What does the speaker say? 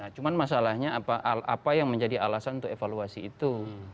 cuma masalahnya apa yang menjadi alasan untuk evaluasi itu